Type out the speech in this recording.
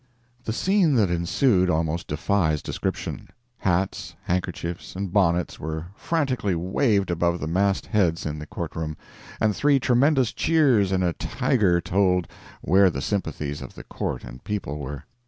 The scene that ensued almost defies description. Hats, handkerchiefs and bonnets were frantically waved above the massed heads in the courtroom, and three tremendous cheers and a tiger told where the sympathies of the court and people were.